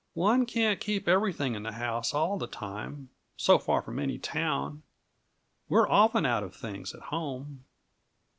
"One can't keep everything in the house all the time, so far from any town. We're often out of things, at home.